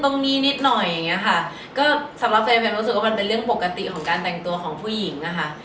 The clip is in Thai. นิดหน่อยอย่างเงี้ยค่ะก็สำหรับเฟรมรู้สึกว่ามันเป็นเรื่องปกติของการแต่งตัวของผู้หญิงนะคะ